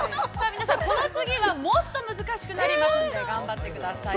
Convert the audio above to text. ◆皆さん、この次はもっと難しくなりますんで頑張ってください。